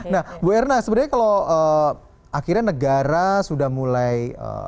nah bu erna sebenarnya kalau akhirnya negara sudah mulai